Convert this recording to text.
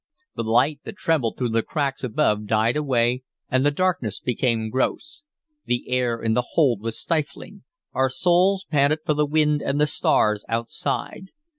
The light that trembled through the cracks above died away, and the darkness became gross. The air in the hold was stifling; our souls panted for the wind and the stars outside.